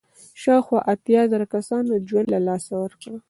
شاوخوا اتیا زره کسانو ژوند له لاسه ورکړ.